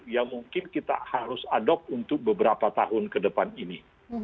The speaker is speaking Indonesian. ya mungkin kita harus adok untuk beberapa tahun ke depan ini